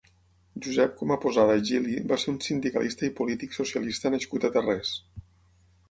Josep Comaposada i Gili va ser un sindicalista i polític socialista nascut a Tarrés.